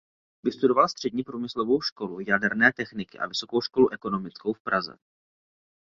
Vystudoval Střední průmyslovou školu jaderné techniky a Vysokou školu ekonomickou v Praze.